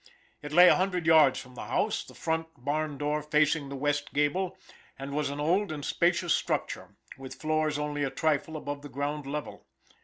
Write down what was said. It lay a hundred yards from the house, the front barndoor facing the west gable, and was an old and spacious structure, with floors only a trifle above the ground level.